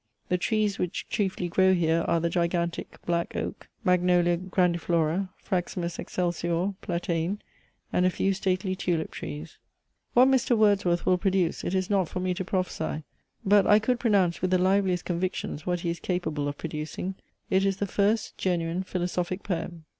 The trees which chiefly grow here are the gigantic, black oak; magnolia grandi flora; fraximus excelsior; platane; and a few stately tulip trees." What Mr. Wordsworth will produce, it is not for me to prophesy but I could pronounce with the liveliest convictions what he is capable of producing. It is the FIRST GENUINE PHILOSOPHIC POEM.